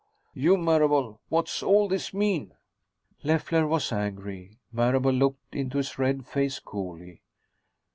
You, Marable, what's all this mean?" Leffler was angry. Marable looked into his red face coolly.